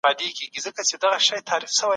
خپل مسؤلیت وپیژنئ.